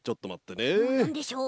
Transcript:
なんでしょう？